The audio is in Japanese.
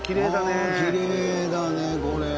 ああきれいだねこれ。